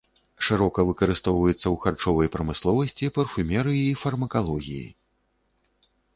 Шырока выкарыстоўваецца ў харчовай прамысловасці, парфумерыі і фармакалогіі.